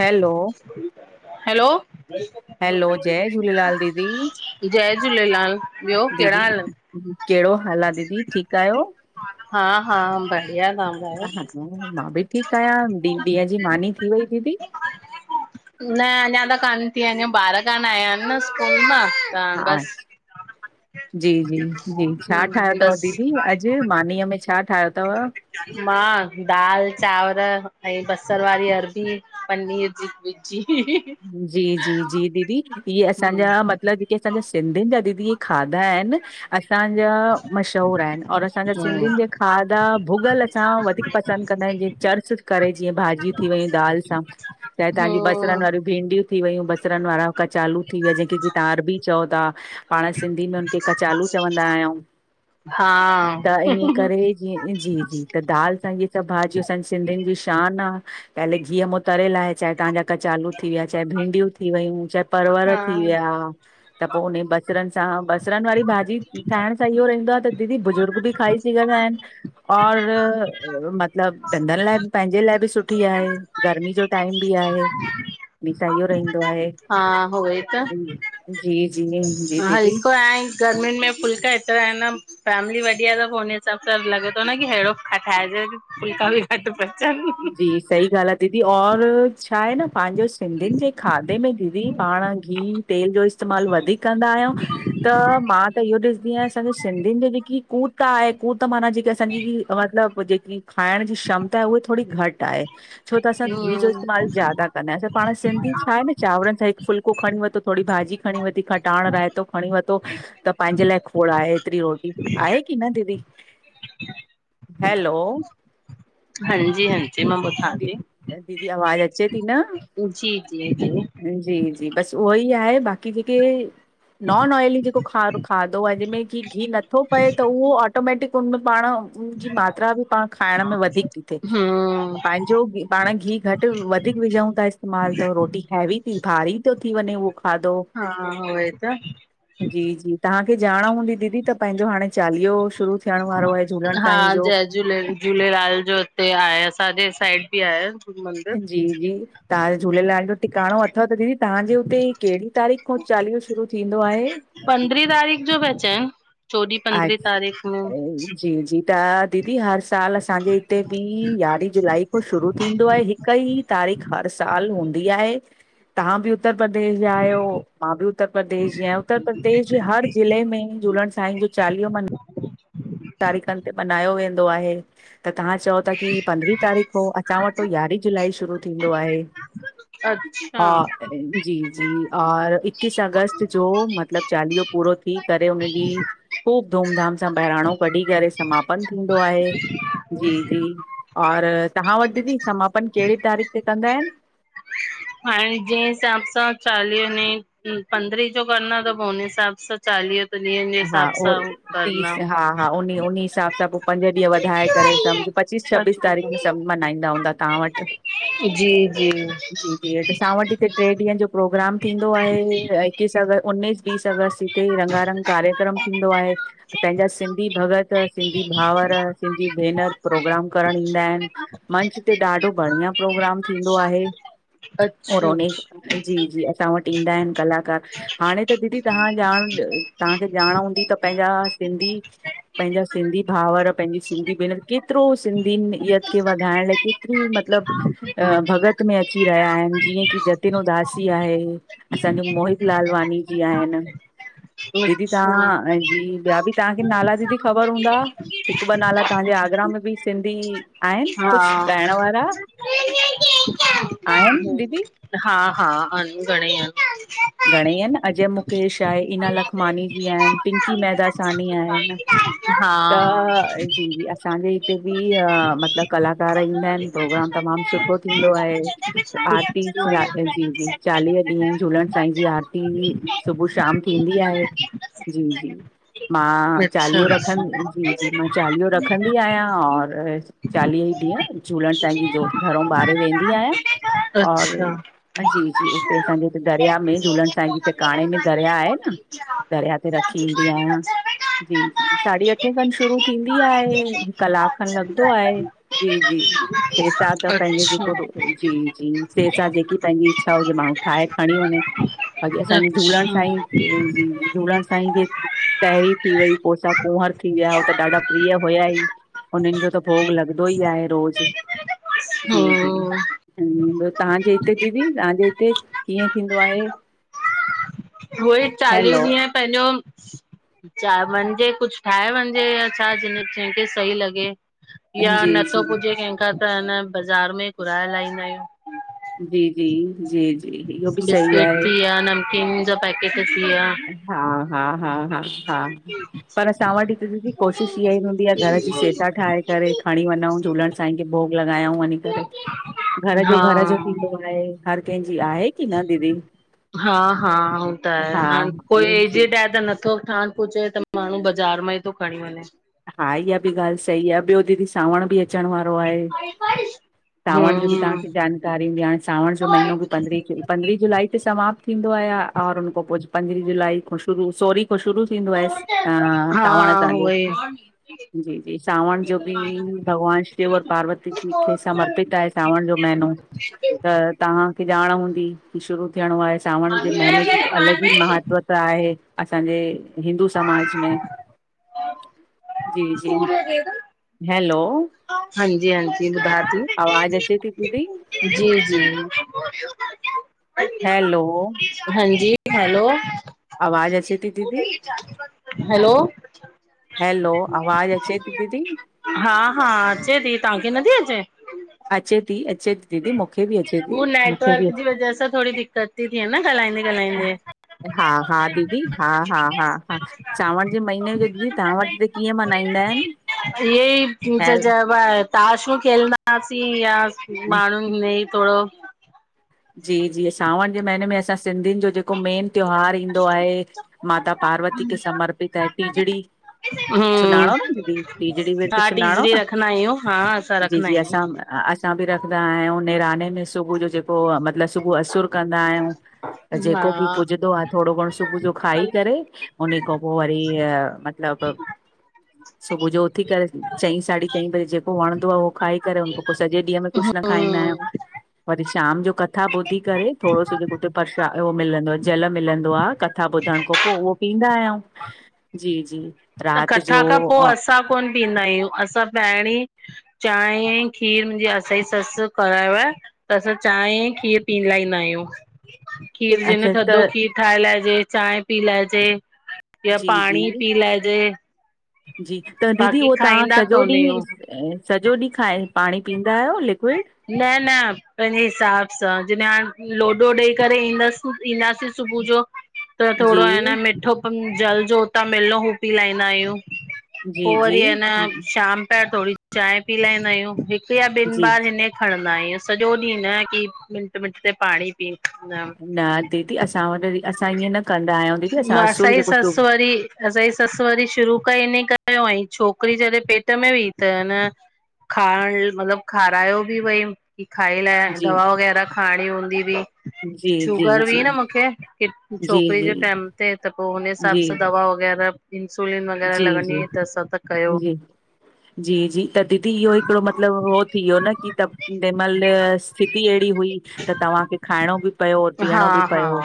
Hello, hello. Hello, जय झूलेलाल दीदी, जय झूलेलाल ॿियो कहिड़ा दीदी हाल इन? कहिड़ो हाल आ दीदी ठीक आहियो। हा हा बढ़िया तहां ॿुधायो। हा हा मां ॿि ठीक आहियां ॾि ॾींहं जी मानी थी वई दीदी। न अञां त कान थी आ अञां ॿार कान्हं आया हिनि न स्कूल मां। त हा बस जी जी - - जी छा ठाहियो हम्म, तव बस दीदी अॼु मानीअ में छा ठाहियो तव। मां दाल चांवर ऐं बसर वारी अरबी पनीर जी भुज् - - जी - - जी जी जी दीदी इहे असांजा म - - लबु जेके असांजा सिंधियुन जा दीदी ई हे खाधा आहिन - - असांजा मशहूर आहिन और असांजा सिंधियुन जे खाधा भुॻल सां वधीक। पसंदि कंदा आहिन जीअं चर्च करे जीअं भाॼयुं थी वयूं दाल सां त तव्हांजी बसरन वारियूं - - भिंडि्यूं थी वयूं बसरन वारा कचालू थी वया जेंखे जींअ तव्हां अरबी चओ ता - - पांण सिंधी में हुनखे कचालू चवंदा आहियंउ हा हा त ईंए करे - - जीअ जी जी त दाल सां इहे सभु भाॼियूं असांजी सिंधियुन जी शान आ। पहले गिह्य‌ मां तर लाइहे चाहे तव्हांजा कचालू - - थी विया चाहे भींंडियूं थी वयूं चाहे परवर थी विया। त पो उन्हे बसरन सां बसरन वारी भाॼी ठाहिण सां इहो रहिंदो आ त दीदी बुज़ुर्ग - - हो ॿि खाई सिघन्दा इन। और मतलबु ॾंदन लाये पंहिंजे लाये ॿि सुठी आहे गर्मी जो टाइम भी आहे। मीसां इहो रहीन्दो आहे। हा होई त जी जी जी हा दीदी हिकु आइं गर्मियुनि में फुल्का एतिरा आहि नम फैमिली वड्डी आहे त पो उन्हे हिसाब सां लॻे तो न की हेड़ो ठाइजे कि फुलका ॿि पचं [unintelligible] जी सही ॻाल्हि आ दीदी और छा आहे न पांजो सिंधियुनि जे खाधे में, दीदी पांण घी तेल जो इस्तेमालु वधीक कंदा आहियंऊ। त मां त, इहो ॾिसदी आहियां असांॼो सिंधियुनि जे जेकी हू त आहे हू त माना जेके असांजी ही मतिलबु जेकी खांइण जी क्षमता आहे उह थोड़ी घट आहे, छो त असां घी जो इस्तेमाल ज्यादा कंदा आहियूं असां पांण सिंधी छा आहे न चांवरनि सां हिकु फुल्को खणीं वतो, थोड़ी भाॼी खणीं वती खटांण, रायतो खणीं वतो त पांहिंजे लाइ खोड़ आहे हेतिरी रोटी आहे की न दीदी? हैलो हांजी हं। दीदी दीदी आवाज़ अच्चे ती न? जी जी जी। जी जी बसि उहोई आहे बाक़ी ॼेके नॉन ऑयली जेको खा खादो आ जंहिंमें कि घी नथो पए त उहो ऑटोमेटिक उनमें पांण उन जी मात्रा बि पाण खाइण में वधीक ती थिए। हम्म पंहिंजो पाण घी घटि वधीक विझऊं ता इस्तेमालु त रोटी हैवी थी भारी तो थी वञे उहो खादो। हा उहोई त। जी जी। तव्हांखे ॼाण हूंदी दीदी त पंहिंजो हाणे चालीहो शुरू थियण वारो आहे झूलण हा साईं जो। जय झूले झूलेलाल जो हिते आहे असांजे साइड बि आहे मंदिर। जी -जी तहांजे झूलेलाल जो टिकाणो अथव त दीदी। तहांजे हुते कहिड़ी तारीख़ खां चालीहो शुरू थींदो आहे? पंद्रहीं तारीख़ जो पया चवन। अच्, जी जी त दीदी हर साल असांजे, हिते बि यारहीं जुलाई खां शुरू थींदो आहे हिक ई तारीख़ हर साल हूंदी आहे। तव्हां बि उत्तर प्रदेश जा आहियो मां बि उत्तर प्रदेश जी आहियां उत्तर प्रदेश जी हर जिले में झूलण साईं जो चालीहो मनाइ तारीख़नि ते मनहायो वेंदो आहे। त तव्हां चओ था की पंदरहीं तारीख़ कउं असां वटि तो यारहीं जुलाई शुरू थींदो आहे। अच्छा हा, जी जी। और इक्कीस अगस्त जो मतलब‌ चालीहो पूरो थी करे उन ॾींहुं ख़ूब धूम-धाम सां बहराणो कढी करे समापन थींदो आहे। जी-जी और तव्हां वट दीदी समापन कहिड़ी तारीख़ ते कंदा आहिन? हाणे जंहिं हिसाब सां चालीहे में पंद्रहीं जो कंदा त हुन हिसाब सां चालीहे ॾींहंनि जे हा, हिसाब उहो सां हू तीस करणा। हा, हा उन ई उन ई हिसाब सां पोइ पंज ॾींहं वधाए करे सम्झ पचीस छबीस अच्छा तारीख़ मे सब मनहाईंदा हूंदा तव्हां वटि। जी जी। जी जी असांवटि हिते टे ॾीहंनि जो प्रोग्राम थींदो आहे ऐं इक्कीस अगस्त, उन्नीस बीस अगस्त हिते रंगारंग कार्यक्रम थींदो आहे। पंहिंजा सिंधी भॻत सिंधी भाउर सिंधी भेनर प्रोग्राम करण ईंदा आहिन। मंच ते ॾाढो बढ़िया प्रोग्राम थींदो आहे। अच्छा औरो अच्छा जी जी असां वट ईंदा आहिन कलाकार - - हाणे त दीदी तव्हां ॼाण तव्हांखे ॼाण हूंदी त पंहिंजा सिंधी - - पंहिंजा सिंधी भाउर पंहिंजी सिंधी भेनर केतिरो सिंधियुनिनियत खे वधाइण लाइ केतिरी मतलब - - मतलब भॻत में अची रहिया आहिन जीअं कि जतिन उदासी आहे। असांजो मोहित लालवानी जी आहिन दीदी तव्हां - - जी ॿिया बि तव्हांखे नाला दीदी ख़बर हूंदा हिकु ॿ नाला तव्हांजे आगरा में बि सिंधी - - आहिन कुझ ॻाइण वारा। आहिन दीदी। हा हा आहिन घणेई आहिन घणेई आहिन अजय मुकेश आहे इना लखमानी बि आहिन पिंकी मेदासानी आहिन। त जी जी - - असांजे हिते बि मतिलब कलाकार ईंदा आहिन प्रोग्राम तमामु सुठो थींदो आहे। आरती जी जी चालीह ॾींहं झूलण। असांंजी आरती सुबुह शाम थींदी आहे जी जी - - मां चालीहो रखंद जी जी मां चालीहो रखंदी आहियां और - - चालीह ॾींहं झूलण साईं जी जो घरो अच्छा बारे वेंदी आहियां अच्छा और अच्छा - - जी जी उते असांजो। दरिया में झूलण साईं जे टिकाणे में दरिया आहे न दरिया ते रखी ईंदी आहियां। जी साढी अठे खन शुरू थींदी आहे कलाक खन लॻंदो आहे। जी जी - - सेसा त पंहिंजे जेको जी जी सेसा जेकी पंहिंजी इच्छा हुजे माण्हू ठाहे। खणी वञे बाक़ी असांजे झूलण सांई जी जी - - असाईं जी तांहिरी थी वई कोसा कुहर थी विया हो त ॾाढा प्रिय हुया ई - - उनन जो त भोग लॻंदो ई आहे रोज़। जी जी हम्म ॿियो तव्हांजे हिते दीदी तव्हांजे हिते - - कीअं थींदो आहे। उहोई चालीह हैलो ॾींहं पंहिंजो। च वञजे कुझु ठाहे वञजे या छा ज कंहिंखे सही लॻे। या जी नथो जी पुजेे कंहिंख त अ बाज़ार में घुराए लााईंदा आहियूं। जी जी जी जी - - बिस्किट थी विया नमकिन जा पैकेट थी विया। हा हा हा हा हा - - पर असां वटि हिकु दीदी कोशिश इहा ई हूंदी आहे घर जी सेसा ठाहे करे खणी वञूं झूलण। असाईंखे भोग लॻायऊं वञी करे। घर जो घर जो हा थींदो आहे हर कंहिंजी आहे की न दीदी। हा हा ह त आहे हा हाण। कोई जी, एजट आहे त नथो ठहन पचे त माण्हू बाज़ार मां ई थो खणी वञे। हा इहा बि ॻाल्ह सही आहे ॿियो दीदी सावण बि अचण वारो। तां ज जो हम्म म - - पंद्रहीं जुलाई ते समाप्त थींदो आ आहे और हुन खां पोइ पंद्रहीं जुाई ख खां शुरू सोरी खां शुरू - - थींदो आहे सावण सां - - ह - - जी जी सावण जो बि भॻवानु शिव और पार्वती जी खे समर्पित आहे सावण जो महीनो। अ [inaudible] तहांखे ॼाण हूंदी कि शुरू थियणो आहे सावण जे महीने जी अलॻि ई महत्व त आहे असांजे हिंदू समाज में। जी, जी हैलो! हांजी-हांजी ॿुधां आवाज़ अचे थी दीदी ती। जी, जी। हैलो हांजी, हलो? आवाज़ अचे थी दीदी हलो! हैलो, आवाज़ अचे थी दीदी? हा हा अचे थी, तहांखे नथी अचे? अचे ती, अचे ती। हू नेटवर्क जी वजह सां थोङी दिक्क़त ती थिए न ॻाल्हाईंदे ॻाल्हाईंदे। हा हा दीदी हा हा हा हा, सांवण जे महीने जो दीदी तां वट बि कीअं मल्हाईंदा आहिन? इयी ज जब आहे [unintelligible] ताशूं खेलंदा हुआसीं, या माण्हुनि इ थोङो जी, जी सावण जे महीने में असां सिंधियुनि जो जेको जेको मेन त्योहार ईंदो आहे, माता पार्वती के समर्पित आहे, टीजड़ी हम्म सुञाणो न दीदी, टीजड़ी विर्त हा सुञाणो टीजड़ी न? रखंदा आहियूं हा! असा जी रखंदा जी आंहयूं। असां असां बि रखंदा आहियूं। निराने में सुबुह जो जेको, मतिलबु सुबह असुर कंदा आहियूं त जेको बि हा पुॼंदो आहे थोङो घणो सुबुह जो खाई करे उन खां पो वरी, मतलब ह [inaudible] सुबुह जो उथी करे चईं साढी चईं बजे जेको वणंदो आ उहो खाई करे हुनखां पो सॼे ॾींहं में कुछ न खाईंदा हम्म आहियूं। परीष [inaudible] शाम जो कथा ॿुधी करे थोङो सो जे हुते प्रशाद उह मिलंदो आ जल मिलंदो आ कथा ॿुधण खां पो उहो पींदा आहियूं, जी, जी। राति कथा जो खां पो अ, असां कोन पीअंदा आहियूं, असां पहिरीं चांए खीर, मुंहिंजी -असांजी ससु करायो आ त असां चांय खीर पी लाईंदा आहियूं। खीर जे न अच्छा थधो त खीर ठाहे लाएजे, चांए पी लाएजे ॿियो जी जी पाणी पी लाएजे। जी, त दीदी उहो तहां सॼो कोन आहियूं ॾींहुं सॼो ॾींहुं खाए, पाणी पीअंदा आयो लिक्विड? न न, पंहिंजे हिसाब सां, जॾहिं हाणे लोडो ॾेई करे ईंदसि ईंदासीं सुबुह जो त थोङो जी आहे न मिठो पन जल जो हुतां मिलयो हू पी लाईंदा आहियूं। जी पो वरी जी ह न शाम पया थोङी चांय पी लाईंदा आहियूं, हिकु या ॿिनि जी बार हिन खणंदा आहयूं, सॼो ॾींहुं न कि मिंट मिंट ते पाणी पिन्दा आहियूं [unintelligible] न दीदी, असां वटि- असां ईअं न कंदा आहयूं दीदी, असां असुर असांजी जेको ससु वरी असांजी ससु वरी शुरू खां इनि कयो हुयईं छोकिरी जॾहिं पेट में हुई त अ न खाइण मतलबु खारायो बि भई की खाई लाइ जी दवा वग़ैरह खाइणी हूंदी हुई। जी जी शुगर जी हुई न मूंखे, अॻे जी छोकिरे जी जे टाइम ते त पो हुनहे हिसाब जी सां दवा वग़ैरह इंसुलिन वगैर जी लॻंदी जी तस जी जी जी त दीदी इहो हिकिड़ो मतलब। हो थी वियो न की तहिंमहिल स्थिति अहिड़ी हुई त तव्हांखे खाइणो बि पियो हा पीअणो बि हा पियो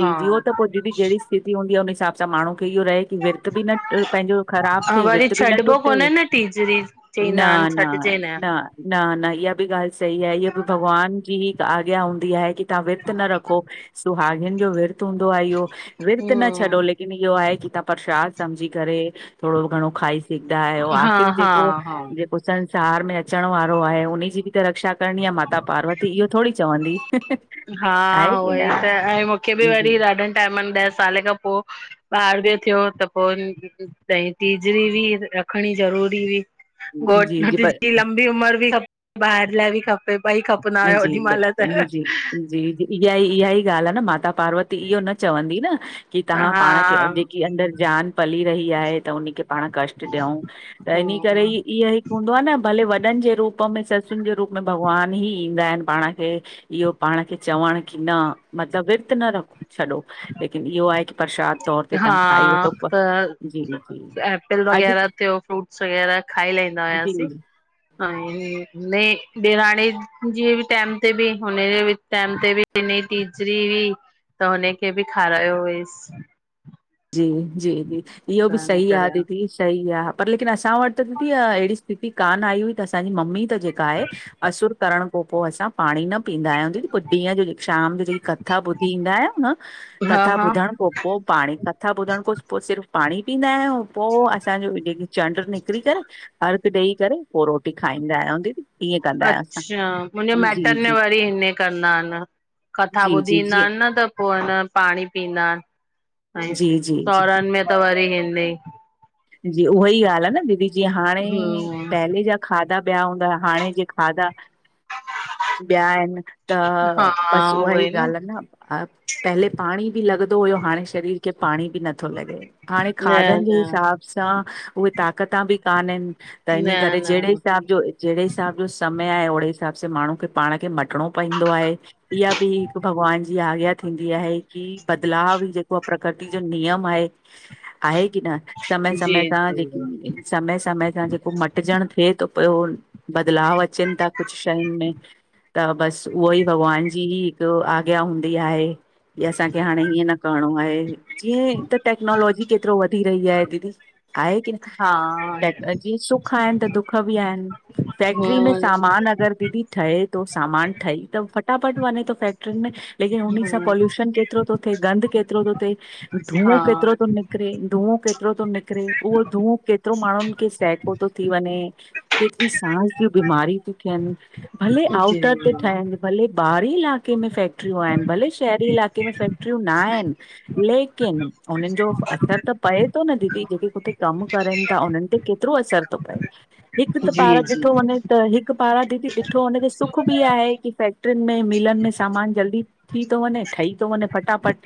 हा हो त पो दीदी जहिड़ी स्थती हूंदी आह हुन हिसाब सां माण्हू खे इहो रहे की विर्त बि न पंहिंजो ख़राब हा थिए विर वरी बि न छॾिबो टुटे कोन्हे न टीजड़ी न चईंदा आहिनि न छॾिजे न हा न न इहा बि ॻाल्हि सही आहे इहा बि भॻवान जी हिक आज्ञा हूंदी आहे की तव्हां विर्त न रखो। सुहाागिनि जो विर्त हूंदो आ इहो। विर्त न हम्म छॾो लेकिन इहो आहे कि तव्हां प्रसाद समझी करे थोरो घणो खाई सघंदा आहियो हा आख़िर हा जेको हा जेको संसार में अचण वारो आहे उनजी बि त रक्षा करिणी आ माता पार्वती इहो थोडी चवंदी। हा आहे उहो की न ही त ऐं मूंखे बि जी वरी जी ॾाढनि टाइमनि ॾह साल खां पो ॿार बि थियो त पो वरी त हे टिजड़ी भी हुई रखणी ज़रूरी हुई। घोट जी लंबी उमिरि भी खपे, ॿार लाइ भी खपे ॿई खपे खपंदा हुया जी, ओॾी ब महिल तह। जी जी इहा ई इहा ई ॻाल्हि आहे न माता पार्वती इहो न चवंदी न। की तव्हां हा पाण खे जेकी अंदर जान पली रही आहे त उन खे पाण कष्ट ॾियूं त इन करे ई ईहा हूंदो आ न भले वॾनि जे रूप में ससुनि जे रूप में भॻवानु ही ईंदा आहिनि पाण खे इहो पाण खे चवण की न मतलब विर्तु न रख, छॾोह। लेकिन इहो आहे की प्रशाद तौर ते हा तव्हां खाई वठो प- त जी, जी, एपल अॼु जी, वगैरह थियो फ्रूट सवेल खाई लाईंदा हुयासीं। जी आहे ने ॾेराणी जी टाइम ते बि हुनजे बि टाइम ते बि हिनजी टीजरी हुई त हुनखे बि खारायो हुयसि। जी जी जी इहो बि त इन सही आ करे दीदी सही आ। पर लेकिन असां वटि त दीदी अहिड़ी स्थिति कान आई हुई त असांजी मम्मी त जेका आहे असुर करण खां पो असां पाणी न पीअंदा आहियूं दीदी ॾींहं जो शाम जो जेकी कथा ॿुधी ईंदा आहियूं न हा कथा हा ॿुधण, पो पाणी कथा ॿुधण खां पो सिर्फ़ पाणी पींदा आहियूं। पो असांजो जेक चंड्र निकिरी करे अर्घु ॾेई करे पो रोटी। खाईंदा आहियूं दीदी, ईअं कंदा आहियूं असां अचछा मुंहिंजे माइट्र जी, में जी, वरी इअं कंदा आहिनि। कथा जी, ॿुधी जी, ईंदा जी, आहिनि न त पो हेन पाणी पीअंदा ऐं जी, जी, जी। सहुरनि में त वरी हिन्दी जी उहा ही ॻाल्हि आ न दीदी जी हाणे हम्म पहले जा खाधा ॿिया हूंदा हाणे जे खाधा ॿिया आहिनि, त हा बस उहा उहो ही ई न ॻाल्हि आ न पहले पाणी बि लॻंदो हुयो हाणे शरीर खे पाणी बि नथो लॻे हाणे न खाधनि जे न हिसाब सां उहे ताक़ता बि कान्हन त न इनि करे जहिड़े न हिसाब जो जहिड़े हिसाब जो समय आहे ओड़े हिसाब सां माण्हू खे पाण खे मटिणो पईंदो आहे। इहा बि हिक भॻवान जी आज्ञा थींदी आहे। कि बदलाव ई जेको आहे प्रकृति जो नियम आहे, आहे की न? समय जी समय सां जी जेकी समय समय सां जेको मट मटजण थिए थो पयो, बदलाव अचनि था कुछ शयुनि में त बसि उहो ई भॻवान जी ही हिकु आज्ञा हूंदी आहे। कि असांखे हाणे हीअं न करिणो आहे, जीअं त टेक्नोलॉजी केतिरो वधी रही आहे। दीदी आहे की हा [unintelligible] सुख आहिनि त दुख बि आहिनि, फैक्ट्री में हम्म सामान अगरि दीदी ठहे तो सामान ठही त फटाफट वञे तो फैक्ट्रियुनि में लेकिन उन सां हम्म पॉल्यूशन के तिरो तो थिए, गंद केतिरो तो थे, हा धुओं केतिरो तो निकिरे धुओं केतिरो तो नि करे उहो धुओं के केतिरो माण्हुनि खे सहिको तो थी वञे, केतिरी सांस जी बीमारी ती थियनि भले जी आउटर ते ठायन भले ॿाहरी इलाक़े में फैक्ट्रियूं आहिनि, भले शहरी इलाक़े में फैक्ट्रियूं नाहिनि। लेकिन उननि जो असर त पए तो न दीदी जेके उते कम करनि ता उन्हनि ते केतिरो असरु तो पए हिकु त जी पार ॾिठो जी वञे। त हिकु पारां दीदी ॾिठो वने त सुख भी आहे की फैक्ट्रियुनि में मिलनि में सामान जल्दी थी तो वञे ठही तो वञे फटाफट